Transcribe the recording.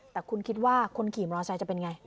แต่คุณคิดว่าคนขี่มอเตอร์ไซค์จะเป็นไง